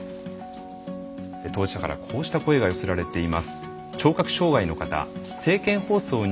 当事者からこうした声が寄せられています。